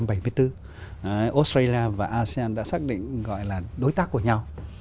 australia và asean đã xác định gọi là đối tác của nhau